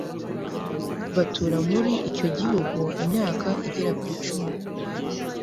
batura muri icyo gihugu imyaka igera ku icumi